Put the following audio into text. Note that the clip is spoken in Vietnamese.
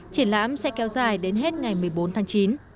triển lãm sẽ kéo dài đến hết ngày một mươi bốn tháng chín